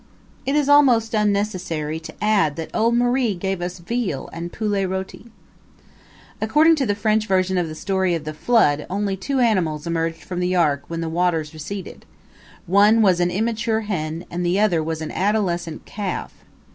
It is almost unnecessary to add that old Marie gave us veal and poulet roti. According to the French version of the story of the Flood only two animals emerged from the Ark when the waters receded one was an immature hen and the other was an adolescent calf.